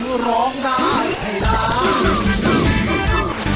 ที่ร้องได้ไอ้สาว